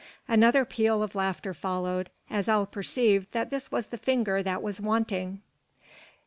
Another peal of laughter followed, as all perceived that this was the finger that was wanting.